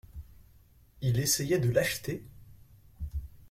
Il essayait de l’acheter?